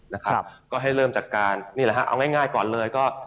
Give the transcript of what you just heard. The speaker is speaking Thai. นะครับก็ให้เริ่มจัดการนี่แหละฮะเอาง่ายก่อนเลยก็